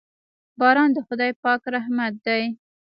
باران د خداے پاک رحمت دے